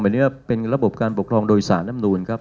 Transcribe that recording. เป็นระบบการปกครองโดยสารรัฐมนุญครับ